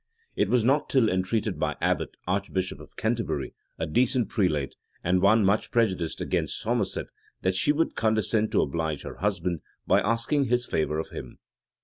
It was not till entreated by Abbot, archbishop of Canterbury, a decent prelate, and one much prejudiced against Somerset, that she would condescend to oblige her husband, by asking this favor of him.